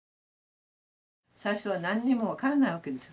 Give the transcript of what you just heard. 最初は何にも分かんないわけです。